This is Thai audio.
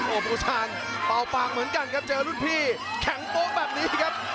โอ้โหบูชาญเป่าปากเหมือนกันครับเจอรุ่นพี่แข็งโป๊ะแบบนี้ครับ